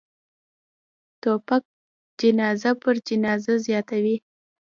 توپک جنازه پر جنازه زیاتوي.